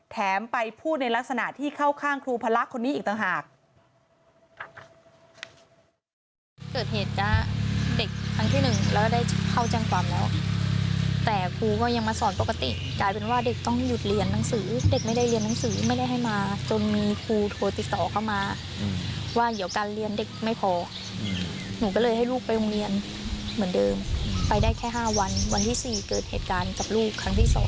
ไปพูดในลักษณะที่เข้าข้างครูพระคนนี้อีกต่างหาก